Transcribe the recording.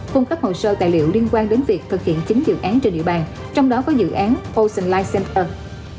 cung cấp hồ sơ tài liệu liên quan đến việc thực hiện chín dự án trên địa bàn trong đó có dự án ocean ligh center